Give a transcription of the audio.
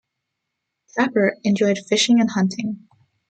Tappert enjoyed fishing and hunting.